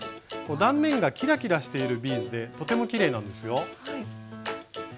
断面がキラキラしているビーズでとてもきれいなんですよ。